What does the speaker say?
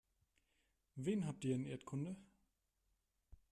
Wen habt ihr in Erdkunde?